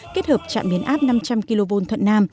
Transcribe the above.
kết hợp trạm biến áp năm trăm linh kv thuận nam